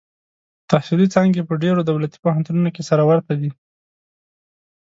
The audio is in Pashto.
تحصیلي څانګې په ډېرو دولتي پوهنتونونو کې سره ورته دي.